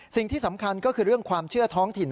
สิ่งที่สำคัญก็คือเรื่องความเชื่อท้องถิ่น